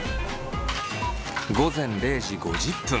午前０時５０分